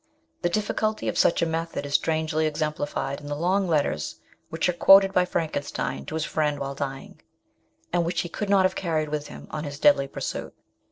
The difficulty of such a method is strangly exemplified in the long letters which are quoted by Frankenstein to his friend while dying, and which he could not have carried with him on his deadly pursuit.